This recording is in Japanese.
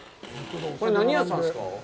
これ何屋さんっすか？